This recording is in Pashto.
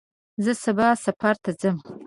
زه سبا سفر ته ځم.